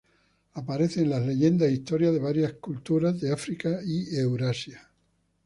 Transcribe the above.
Aparecen en las leyendas e historias de varias culturas de África y Eurasia.